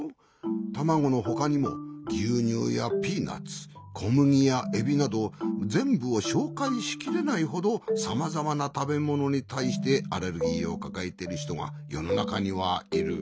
たまごのほかにもぎゅうにゅうやピーナツこむぎやエビなどぜんぶをしょうかいしきれないほどさまざまなたべものにたいしてアレルギーをかかえてるひとがよのなかにはいる。